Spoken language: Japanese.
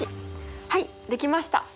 はいできました。